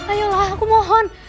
ayolah aku mohon